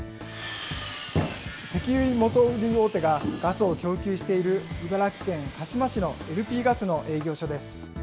石油元売り大手が、ガスを供給している、茨城県鹿嶋市のＬＰガスの営業所です。